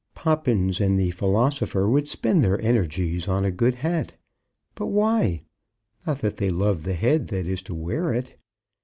Poppins and the philosopher would spend their energies on a good hat. But why? Not that they love the head that is to wear it.